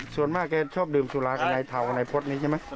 ส่วนมากแกชอบดื่มสุราในเถาในพลตนี้ใช่ไหม